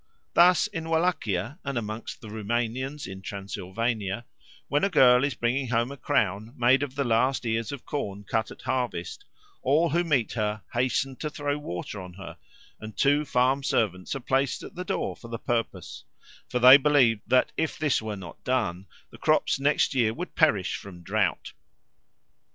Thus in Wallachia and amongst the Roumanians in Transylvania, when a girl is bringing home a crown made of the last ears of corn cut at harvest, all who meet her hasten to throw water on her, and two farm servants are placed at the door for the purpose; for they believe that if this were not done, the crops next year would perish from drought.